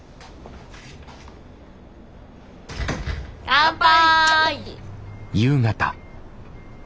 乾杯！